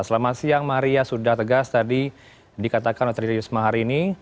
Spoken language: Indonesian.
selama siang maria sudah tegas tadi dikatakan oleh tridimus mahari ini